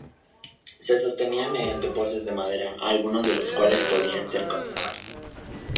Se sostenía mediante postes de madera, algunos de los cuales todavía se conservan.